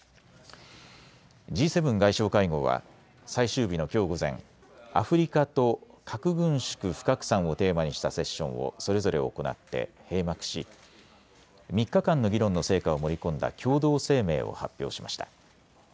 Ｇ７外相会合は最終日のきょう午前、アフリカと核軍縮・不拡散をテーマにしたセッションをそれぞれ行って閉幕し３日間の議論の成果を盛り込んだ共同声明を発表しました。